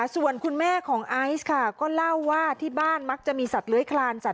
ส่วนคุณแม่ของไอซ์ค่ะก็เล่าว่าที่บ้านมักจะมีสัตว์เลื้อยคลานสัตว